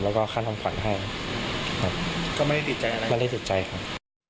แล้วก็ค่าทำขวัญให้ครับก็ไม่ได้ติดใจอะไรไม่ได้ติดใจครับ